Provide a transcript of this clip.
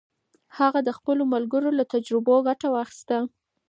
هغه د خپلو ملګرو له تجربو ګټه واخیسته.